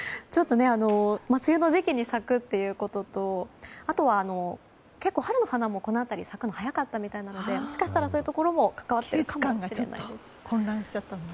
梅雨の時期に咲くということとあとは結構、春の花もこの辺り、咲くのが早かったみたいなのでもしかしたら、そういうところも関わっているかもしれないです。